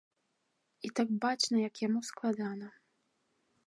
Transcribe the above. І так бачна, як яму складана.